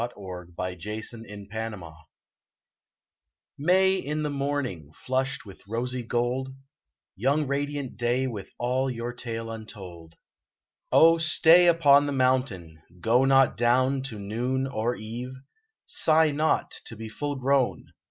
25 Alias in tbe Aborning M AY in the morning, flushed with rosy gold, Young radiant day with all your tale untold, O stay upon the mountain, go not down To noon or eve, sigh not to be full grown.